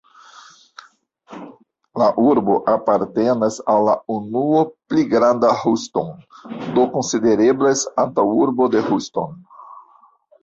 La urbo apartenas al la unuo "Pli granda Houston", do konsidereblas antaŭurbo de Houston.